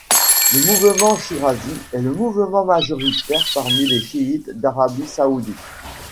Le mouvement Shirazi est le mouvement majoritaire parmi les chiites d'Arabie Saoudite.